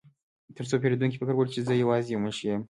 ترڅو پیرودونکي فکر وکړي چې زه یوازې یو منشي یم